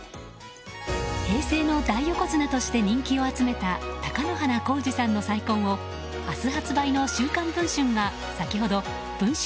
平成の大横綱として人気を集めた貴乃花光司さんの再婚を明日発売の「週刊文春」が先ほど文春